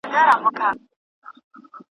هغه موده چي پرمختيا پکې تلل کېږي بايد اوږده وي.